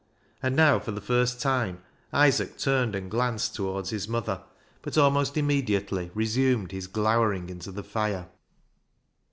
And now for the first time Isaac turned and glanced towards his mother, but almost immedi ately resumed his glowering into the fire.